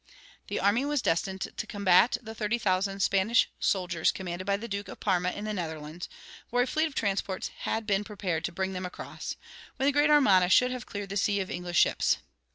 The army was destined to combat the thirty thousand Spanish soldiers commanded by the Duke of Parma in the Netherlands, where a fleet of transports had been prepared to bring them across, when the great armada should have cleared the sea of English ships.